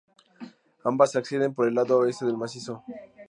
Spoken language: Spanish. Ambas se acceden por el lado oeste del macizo.